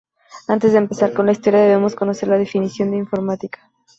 Antes de empezar con la historia debemos conocer la definición de informática.